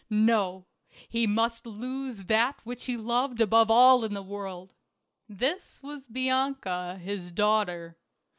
Ho ; he must lose that which he loved above all the world. This was Bianca, his daughter.